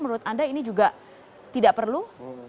menurut anda ini juga tidak perlu